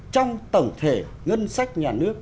trong tổng thể ngân sách nhà nước